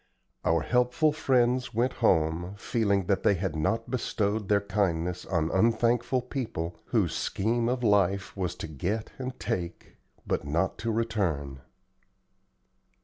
Our helpful friends went home, feeling that they had not bestowed their kindness on unthankful people whose scheme of life was to get and take, but not to return.